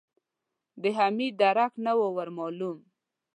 د حميد درک نه و ور مالوم.